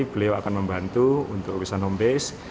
beliau akan membantu untuk urusan home base